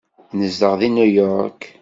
Nezdeɣ deg New York.